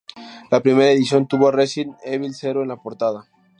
La primera edición tuvo a Resident Evil Zero en la portada.